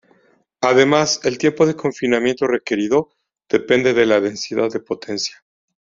Además, el tiempo de confinamiento requerido depende de la densidad de potencia.